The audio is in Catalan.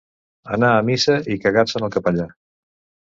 Anar a missa i cagar-se en el capellà.